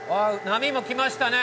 波も来ましたね。